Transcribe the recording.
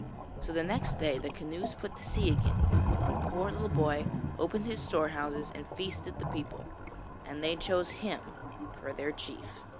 So the next day the canoes put to sea again, and the poor little boy opened his storehouses and feasted the people, and they chose him for their chief.